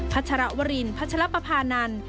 พัชระวรินพัชระปะพานัน